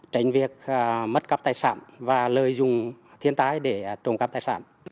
tránh việc mất các tài sản và lợi dụng thiên tài để trồng các tài sản